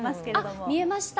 あっ、見えました。